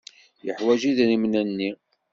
Yeḥwaj idrimen-nni.